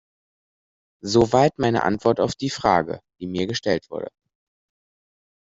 Soweit meine Antwort auf die Frage, die mir gestellt wurde.